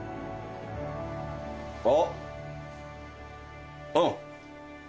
あっうん。